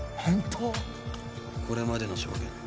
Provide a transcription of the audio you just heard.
これまでの証言